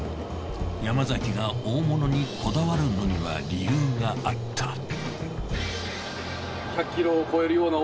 山崎が大物にこだわるのには理由があった。